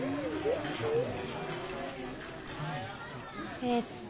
えっと